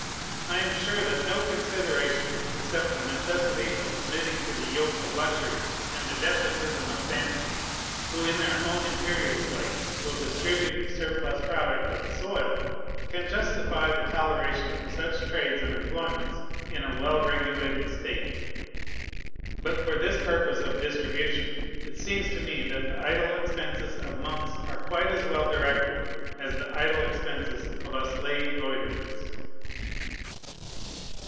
I am sure that no consideration, except the necessity of submitting to the yoke of luxury and the despotism of fancy, who in their own imperious way will distribute the surplus product of the soil, can justify the toleration of such trades and employments in a well regulated state. But for this purpose of distribution, it seems to me that the idle expenses of monks are quite as well directed as the idle expenses of us lay loiterers.